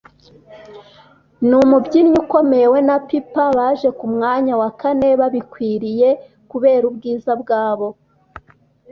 ni umubyinnyi ukomeye…we na Pipa baje ku mwanya wa kane babikwiriye kubera ubwiza bwabo